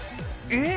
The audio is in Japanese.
「えっ？